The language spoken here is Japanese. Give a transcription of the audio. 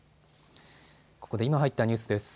ここで今入ったニュースです。